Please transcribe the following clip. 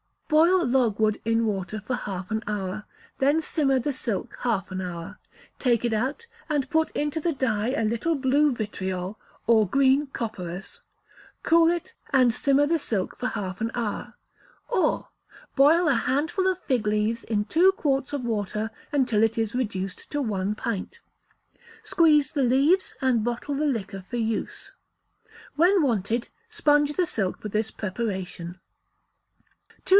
Boil logwood in water for half an hour; then simmer the silk half an hour; take it out, and put into the dye a little blue vitriol, or green copperas; cool it, and simmer the silk for half an hour. Or, boil a handful of fig leaves in two quarts of water until it is reduced to one pint; squeeze the leaves, and bottle the liquor for use. When wanted, sponge the silk with this preparation. 2257.